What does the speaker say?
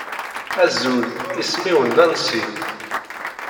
Azul, isem-iw Nancy.